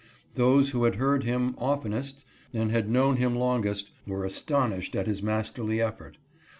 Those who had heard him oftenest and had known him longest, were astonished at his masterly effort.